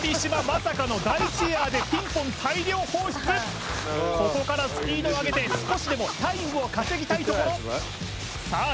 まさかの第１エアでピンポン大量放出ここからスピードを上げて少しでもタイムを稼ぎたいところさあ